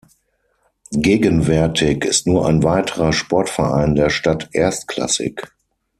Gegenwärtig ist nur ein weiterer Sportverein der Stadt erstklassig.